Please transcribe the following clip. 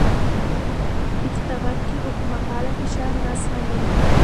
پښتورګي اوږدمهاله فشار نه زغمي.